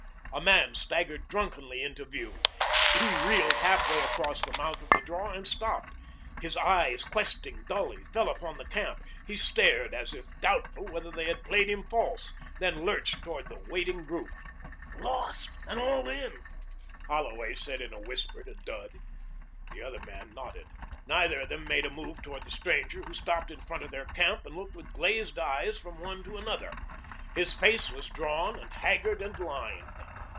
A man staggered drunkenly into view. He reeled halfway across the mouth of the draw and stopped. His eyes, questing dully, fell upon the camp. He stared, as if doubtful whether they had played him false, then lurched toward the waiting group. "Lost, and all in," Holway said in a whisper to Dud. The other man nodded. Neither of them made a move toward the stranger, who stopped in front of their camp and looked with glazed eyes from one to another. His face was drawn and haggard and lined.